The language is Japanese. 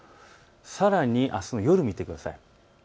さらにあすの夜を見てください。